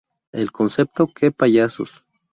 El concepto "¡Que Payasos!